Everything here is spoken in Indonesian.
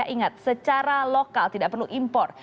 ingat secara lokal tidak perlu impor